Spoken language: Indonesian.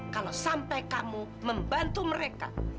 kalau sampai kamu membantu mereka